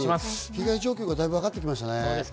被害状況が大分分かってきましたね。